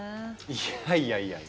いやいやいや